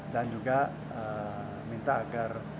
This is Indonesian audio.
dan juga minta agar